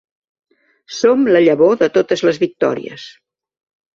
Som la llavor de totes les victòries.